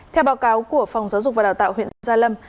theo báo cáo của phòng giáo dục và đào tạo huyện gia lâm